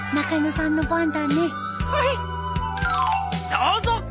どうぞ！